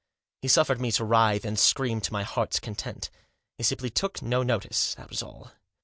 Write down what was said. He suffered me to writhe and scream to my heart's content. He simply took no notice ; that was all.